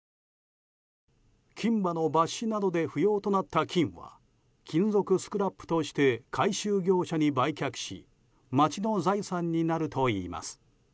金歯の抜歯などで不要となった金は金属スクラップとして回収業者に売却し町の財産になるといいます。